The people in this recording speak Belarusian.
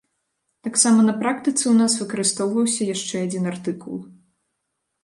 Таксама на практыцы ў нас выкарыстоўваўся яшчэ адзін артыкул.